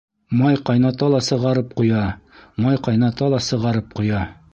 Май ҡайната ла сығарып ҡоя, май ҡайната ла сығарып ҡоя.